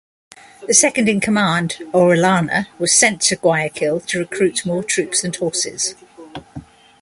The second-in-command, Orellana, was sent to Guayaquil to recruit more troops and horses.